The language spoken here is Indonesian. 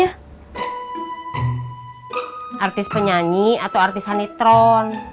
artis penyanyi atau artisan nitron